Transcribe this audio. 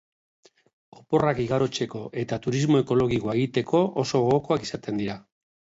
Oporrak igarotzeko eta turismo ekologikoa egiteko oso gogokoak izaten dira.